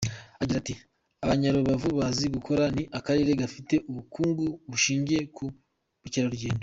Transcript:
Agira ati "Abanyarubavu bazi gukora, ni akarere gafite ubukungu bushingiye ku bukerarugendo.